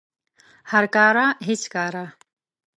هر کاره هیڅ کاره